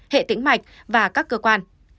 hệ tĩnh mạch và các cơ quan